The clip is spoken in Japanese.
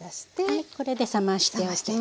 はいこれで冷ましておきます。